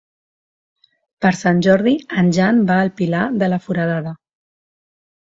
Per Sant Jordi en Jan va al Pilar de la Foradada.